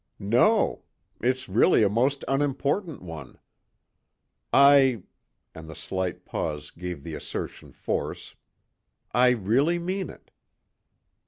"No; it's really a most unimportant one; I" and the slight pause gave the assertion force "I really mean it."